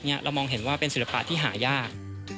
เรามองเห็นว่าเป็นศิลปะที่หายาก